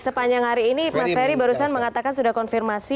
sepanjang hari ini mas ferry barusan mengatakan sudah konfirmasi